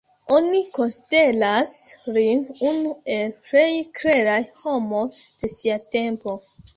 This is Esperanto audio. Oni konsideras lin unu el plej kleraj homoj de sia tempo.